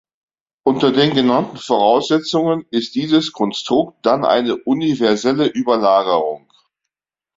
Unter den genannten Voraussetzungen ist dieses Konstrukt dann eine universelle Überlagerung.